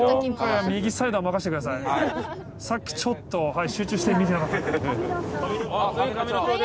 さっきちょっと集中して見てなかったんで。